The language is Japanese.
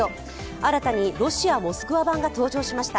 新たにロシア・モスクワ版が登場しました。